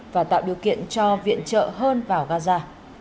và tạo điều kiện cho viện trợ hơn vào gaza